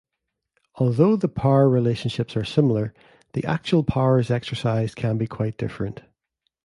Although the power relationships are similar the actual powers exercised can be quite different.